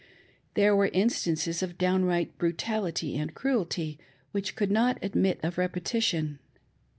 There were in stances of downright brutality arid cruelty which would not adrriit of repetition.